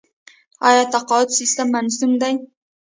آیا تقاعد سیستم منظم دی؟